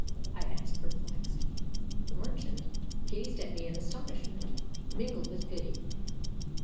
I asked, perplexed. The merchant gazed at me in astonishment, mingled with pity.